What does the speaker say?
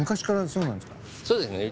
そうですね。